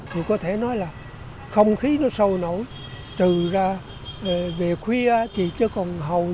thì có thể nói là không khí nó sôi nổi trừ ra về khuya thì sửa súng thì có thể nói là không khí nó sôi nổi